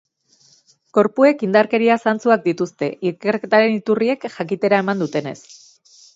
Gorpuek indarkeria zantzuak dituzte, ikerketaren iturriek jakitera eman dutenez.